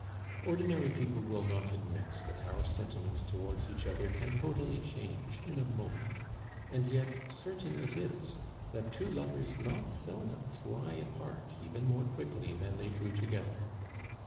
Ordinary people will not admit that our sentiments towards each other can totally change in a moment, and yet certain it is, that two lovers not seldom fly apart even more quickly than they drew together.